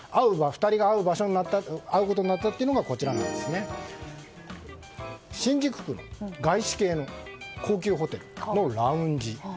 ２人が会うことになったのが新宿区の、外資系の高級ホテルのラウンジ。